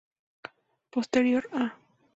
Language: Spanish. Posterior a